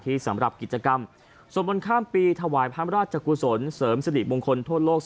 ที่บริเวณ